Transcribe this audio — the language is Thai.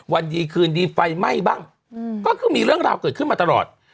วันดีคืนดีไฟไหม้บ้างก็คือมีเรื่องราวเกิดขึ้นมาตลอด